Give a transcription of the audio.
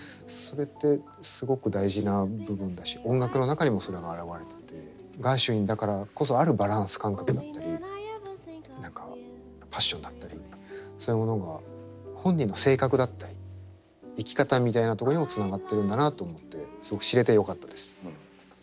それってすごく大事な部分だし音楽の中にもそれは表れててガーシュウィンだからこそあるバランス感覚だったり何かパッションだったりそういうものが本人の性格だったり生き方みたいなところにもつながってるんだなと思ってすごく知れてよかったです。